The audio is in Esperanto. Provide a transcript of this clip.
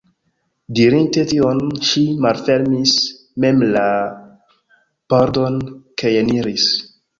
Dirinte tion, ŝi malfermis mem la pordon kajeniris.